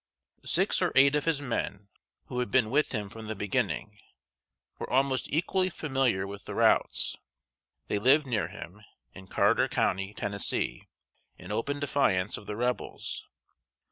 Six or eight of his men, who had been with him from the beginning, were almost equally familiar with the routes. They lived near him, in Carter County, Tennessee, in open defiance of the Rebels.